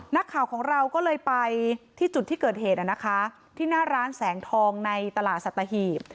นักข่าวของเราก็เลยไปที่จุดที่เกิดเหตุนะคะที่หน้าร้านแสงทองในตลาดสัตหีบ